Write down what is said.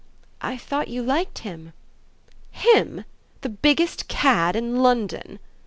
"I thought you liked him." "Him! the biggest cad in London!"